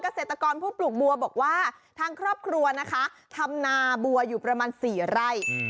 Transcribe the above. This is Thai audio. เกษตรกรผู้ปลูกบัวบอกว่าทางครอบครัวนะคะทำนาบัวอยู่ประมาณ๔ไร่